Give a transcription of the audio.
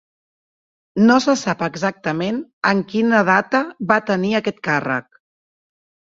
No se sap exactament en quina data va tenir aquest càrrec.